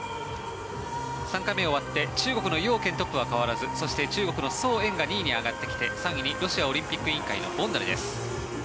３回目が終わって中国のヨウ・ケントップは変わらずそして、中国のソウ・エンが２位に上がってきて３位のロシアオリンピック委員会のボンダルです。